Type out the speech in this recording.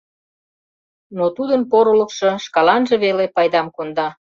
Но тудын порылыкшо шкаланже веле пайдам конда.